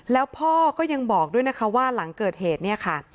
แล้วพ่อก็ยังบอกด้วยนะคะว่าหลังเกิดเหตุเนี่ยค่ะ